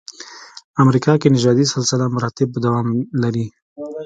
امریکا کې نژادي سلسله مراتبو دوام لري.